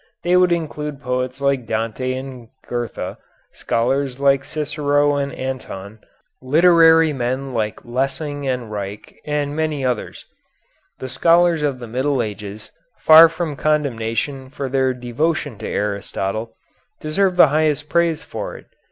They would include poets like Dante and Goethe, scholars like Cicero and Anthon, literary men like Lessing and Reich and many others. The scholars of the Middle Ages, far from condemnation for their devotion to Aristotle, deserve the highest praise for it.